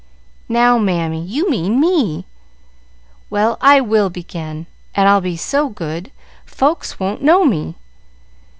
"Now, Mammy, you mean me! Well, I will begin; and I'll be so good, folks won't know me.